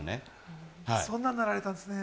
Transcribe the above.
そんなんなられたんですね。